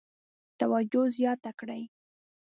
توجه زیاته کړي.